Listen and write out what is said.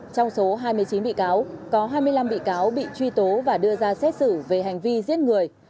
trong số hai mươi chín bị cáo có hai mươi năm bị cáo bị truy tố và đưa ra xét xử về hành vi giết người